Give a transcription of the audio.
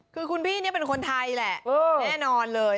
คือคุณพี่นี่เป็นคนไทยแหละแน่นอนเลย